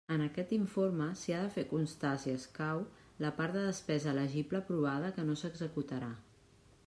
En aquest informe s'hi ha de fer constar, si escau, la part de despesa elegible aprovada que no s'executarà.